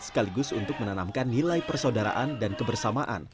sekaligus untuk menanamkan nilai persaudaraan dan kebersamaan